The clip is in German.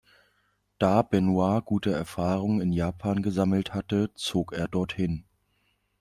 Da Benoit gute Erfahrungen in Japan gesammelt hatte, zog er dorthin.